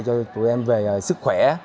cho tụi em về sức khỏe